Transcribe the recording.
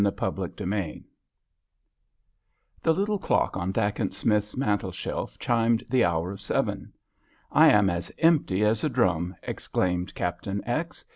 CHAPTER XI The little clock on Dacent Smith's mantelshelf chimed the hour of seven. "I am as empty as a drum," exclaimed Captain X.